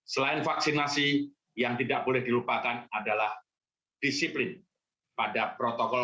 selain vaksinasi yang tidak boleh dilupakan adalah disiplin pada protokol